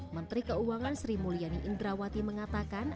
menteri keuangan sri mulyani indrawati mengatakan